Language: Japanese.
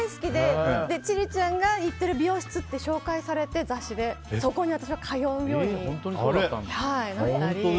千里ちゃんが行っている美容室って紹介されて雑誌でそこに私は通うようになったり。